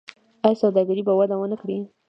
آیا سوداګري به وده ونه کړي؟